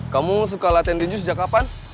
kamu suka latihan tinju sejak kapan